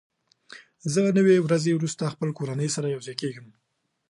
زه نوي ورځې وروسته خپلې کورنۍ سره یوځای کېږم.